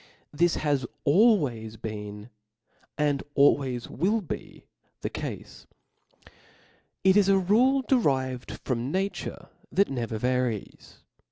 This has al ways been and always will be the cale. It is ^ rule derived from nature that never varies.